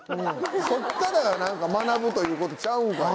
そっから何か学ぶということちゃうんかいな？